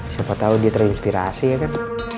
siapa tahu dia terinspirasi ya kan